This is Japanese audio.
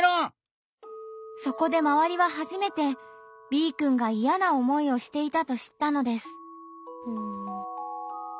そこで周りは初めてＢくんがいやな思いをしていたと知ったのです。